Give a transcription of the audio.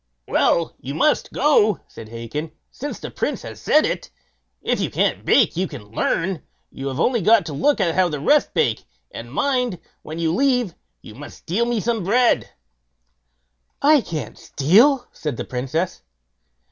"Well, you must go", said Hacon, "since the Prince has said it. If you can't bake, you can learn; you have only got to look how the rest bake; and mind, when you leave, you must steal me some bread." "I can't steal", said the Princess.